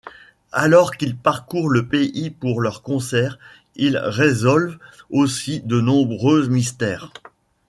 Alors qu'ils parcourent le pays pour leurs concerts, ils résolvent aussi de nombreux mystères.